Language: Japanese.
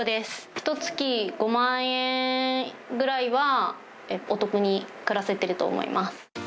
ひとつき５万円ぐらいはお得に暮らせてると思います。